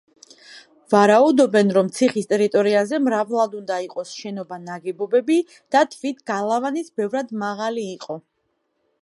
ვარაუდობენ, რომ ციხის ტერიტორიაზე მრავლად უნდა იყო შენობა-ნაგებობები და თვით გალავანიც ბევრად მაღალი იყო.